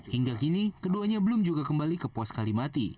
hingga kini keduanya belum juga kembali ke pos kalimati